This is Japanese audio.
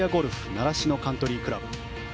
習志野カントリークラブ。